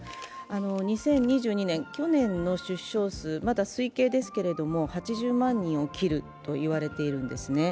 ２０２２年、去年の出生数、まだ推計ですけれども、８０万人を切ると言われているんですね。